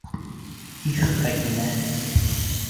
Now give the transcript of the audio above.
Их, Хәкимә!